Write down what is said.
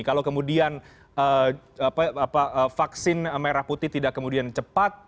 kalau kemudian vaksin merah putih tidak kemudian cepat